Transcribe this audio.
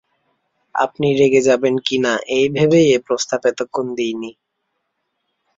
আপনি রেগে যাবেন কি না এই ভেবেই এ-প্রস্তাব এতক্ষণ দিই নি।